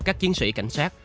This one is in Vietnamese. các chiến sĩ cảnh sát